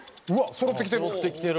そろってきてる。